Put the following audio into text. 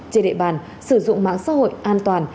trên địa bàn sử dụng mạng xã hội an toàn